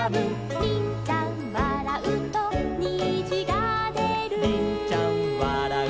「りんちゃんわらうとにじがでる」